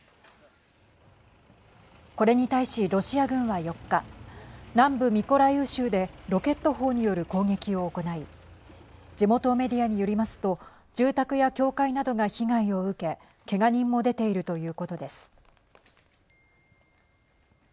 これに対し、ロシア軍は４日南部ミコライウ州でロケット砲による攻撃を行い地元メディアによりますと住宅や教会などが被害を受けけが人も出ているということです。